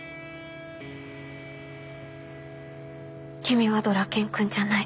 君はドラケン君じゃない。